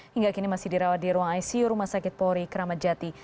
hingga kini masih dirawat di ruang icu rumah sakit polri kramat jati